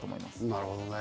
なるほどね。